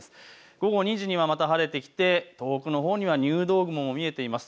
午後２時にはまた晴れてきて遠くのほうには入道雲も見えています。